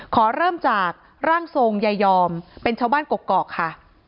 ขอเริ่มจากร่างทรงยายอมเป็นชาวบ้านกกอกค่ะ